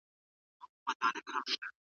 د تورو شړنګ یې لا هم ازانګه کوي